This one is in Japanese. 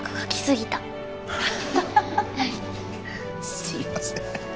すいません。